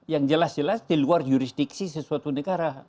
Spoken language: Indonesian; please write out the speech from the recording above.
yang jelas jelas di luar jurisdiksi sesuatu negara